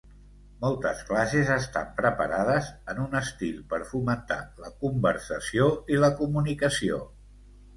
Moltes classes estan preparades en un estil per fomentar la conversació i la comunicació.